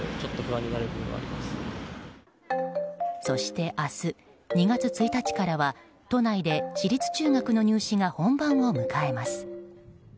そして明日２月１日からは都内で私立中学の入試が本番を迎えます。